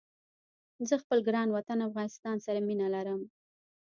زه خپل ګران وطن افغانستان سره مينه ارم